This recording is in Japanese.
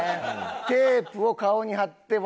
テープを顔に貼って笑